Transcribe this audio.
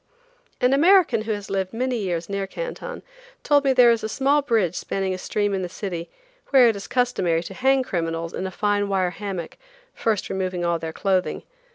An American who has lived many years near Canton told me there is a small bridge spanning a stream in the city where it is customary to hang criminals in a fine wire hammock, first removing all their clothing.